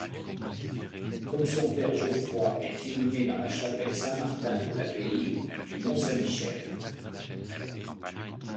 Comme son père Geoffroi est inhumé dans la chapelle Saint-Martin de l'abbaye du Mont-Saint-Michel.